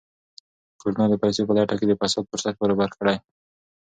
کرونا د پیسو په لټه کې د فساد فرصت برابر کړی.